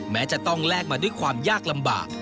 แม้จะต้องแลกมาด้วยความยากลำบาก